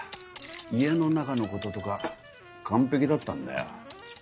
家の中のこととか完璧だったんだよ。